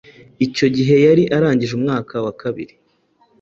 icyo gihe yari arangije umwaka wa kabiri